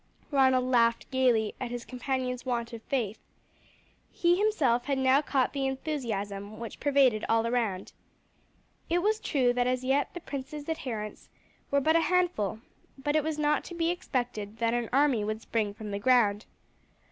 Ronald laughed gaily at his companion's want of faith. He himself had now caught the enthusiasm which pervaded all around. It was true that as yet the prince's adherents were but a handful, but it was not to be expected that an army would spring from the ground.